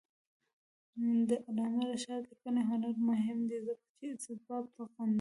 د علامه رشاد لیکنی هنر مهم دی ځکه چې استبداد غندي.